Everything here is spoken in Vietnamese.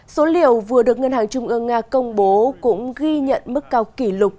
số liều vừa được ngân hàng trung ương nga công bố cũng ghi nhận mức cao kỷ lục